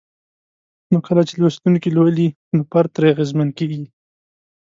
نو کله چې لوستونکي لولي نو فرد ترې اغېزمن کيږي